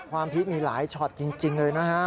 พีคมีหลายช็อตจริงเลยนะฮะ